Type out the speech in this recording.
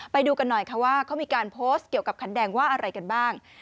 ไปดูกันหน่อยค่ะว่าเขามีการโพสต์เกี่ยวกับขันแดงว่าอะไรกันบ้าง